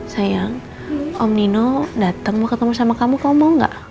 sayang om nino datang mau ketemu sama kamu kamu mau gak